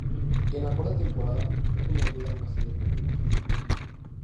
En la cuarta temporada fue promovida a una serie regular.